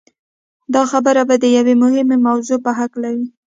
دا خبرې به د يوې مهمې موضوع په هکله وي.